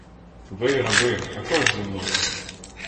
Ви, раби, також зі мною!